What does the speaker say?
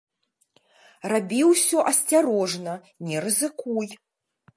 Рабі ўсё асцярожна, не рызыкуй.